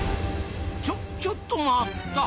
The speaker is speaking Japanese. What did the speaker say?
ちょちょっと待った！